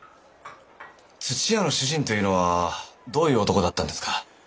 屋の主人というのはどういう男だったんですか？